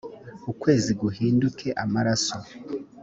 ukwezi guhinduke amaraso